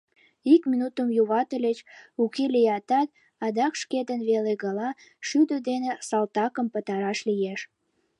Ик минутым юватыльыч — уке лиятат, адак шкетын веле гала — шӱдӧ дене салтакым пытараш лиеш...